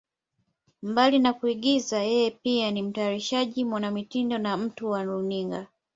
Mbali na kuigiza, yeye pia ni mtayarishaji, mwanamitindo na mtu wa runinga.